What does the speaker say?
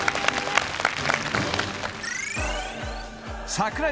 櫻井